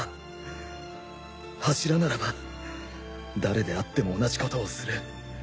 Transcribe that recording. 柱ならば誰であっても同じことをする。